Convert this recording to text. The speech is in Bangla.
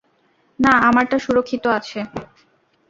না, আমারটা সুরক্ষিত আছে।